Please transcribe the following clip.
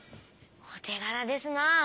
おてがらですな。